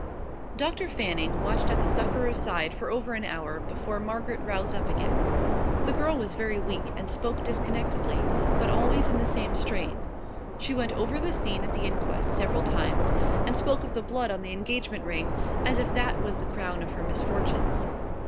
Doctor Fanning watched at the sufferer's side for over an hour, before Margaret roused up again. The girl was very weak and spoke disconnectedly, but always in the same strain. She went over the scene at the inquest several times, and spoke of the blood on the engagement ring, as if that was the crown of her misfortunes.